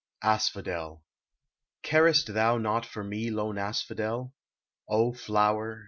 ASPHODEL Carest thou naught for me, lone Asphodel ? Oh, flower